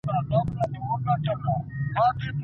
که ميرمن قاضي ته اسناد او شواهد وړاندي کړي.